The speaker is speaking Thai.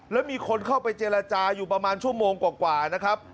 แล้วมีคนเข้าไปเจรจาอยู่ประมาณชั่วโมงกว่านะครับ